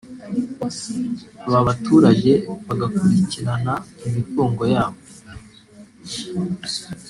aba baturage bagakurikirana imitungo yabo